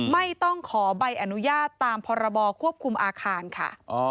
ไม่ต้องขอใบอนุญาตตามพรบควบคุมอาคารค่ะ